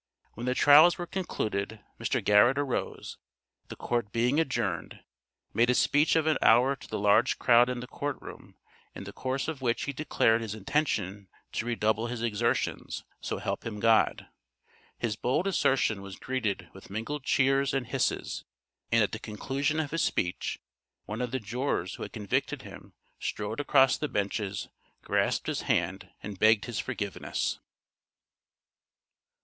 When the trials were concluded, Mr. Garrett arose, the court being adjourned, made a speech of an hour to the large crowd in the court room, in the course of which he declared his intention to redouble his exertions, so help him God. His bold assertion was greeted with mingled cheers and hisses, and at the conclusion of his speech one of the jurors who had convicted him strode across the benches, grasped his hand, and begged his forgivenness.